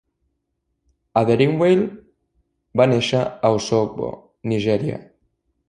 Aderinwale va néixer a Osogbo, Nigèria.